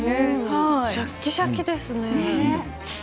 シャキシャキですね。